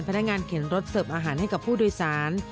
พนักงานเข็นรถเสิร์ฟอาหารให้กับผู้โดยสาร